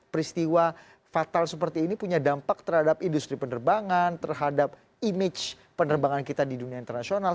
peristiwa fatal seperti ini punya dampak terhadap industri penerbangan terhadap image penerbangan kita di dunia internasional